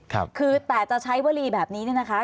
คือแต่จะใช้วลีแบบนี้นะคะ